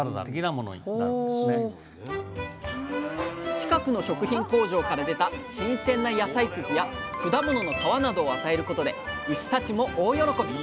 近くの食品工場から出た新鮮な野菜くずや果物の皮などを与えることで牛たちも大喜び！